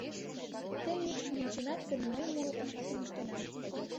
Тый мӱкшым онченат гын, мый моло пашатым ыштенам.